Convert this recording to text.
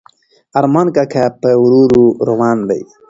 ارمان کاکا په ورو ورو روان دی.